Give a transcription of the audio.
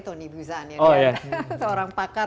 tony buzan seorang pakar